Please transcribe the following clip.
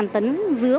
sáu mươi tấn giữa